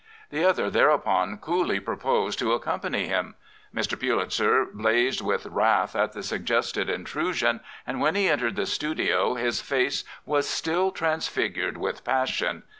The other thereupon coolly proposed to accompany him. Mr. Pulitzer blazed with wrath at the sug gested intsosion and when he entered the studio his face was ^ still transfigured with passion.